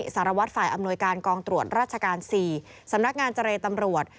สารวัตรฝ่ายอำนวยการกองตรวจราชการ๔สำนักงานเจรตำรวจ